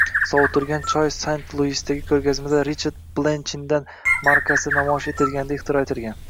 Sovutilgan choy Saint-Luisdagi ko’rgazmada Richard Blechinden markasi namoyish etilganida ixtiro qilingan.